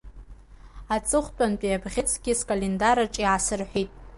Аҵыхәтәантәи абӷьыцгьы скалендараҿ иаасырҳәит…